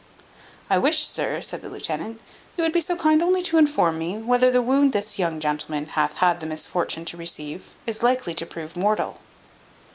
"I wish, sir," said the lieutenant, "you would be so kind only to inform me, whether the wound this young gentleman hath had the misfortune to receive, is likely to prove mortal."